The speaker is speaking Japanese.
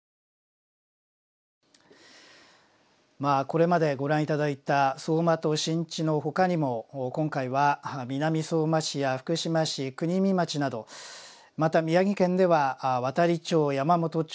これまでご覧いただいた相馬と新地のほかにも今回は南相馬市や福島市国見町などまた宮城県では亘理町山元町